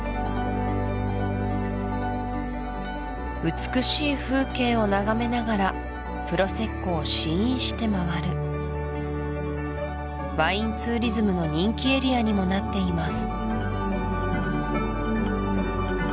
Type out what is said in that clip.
美しい風景を眺めながらプロセッコを試飲して回るワインツーリズムの人気エリアにもなっています